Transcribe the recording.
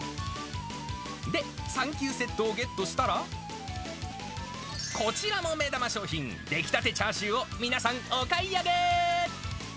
で、サンキューセットをゲットしたら、こちらも目玉商品、出来たてチャーシューを皆さんお買い上げー。